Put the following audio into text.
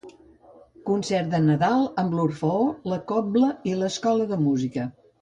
Concert de Nadal amb l'Orfeó, la Cobla i l'Escola de Música.